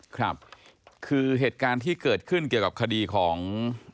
ครับคือเหตุการณ์ที่เกิดขึ้นเกี่ยวกับคดีของ